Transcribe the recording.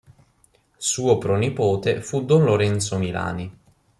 Suo pronipote fu don Lorenzo Milani.